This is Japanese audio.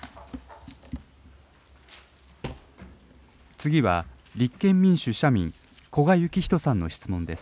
次は、立憲民主・社民、古賀之士さんの質問です。